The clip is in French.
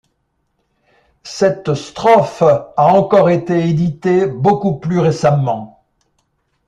Cette strophe a encore été éditée beaucoup plus récemment.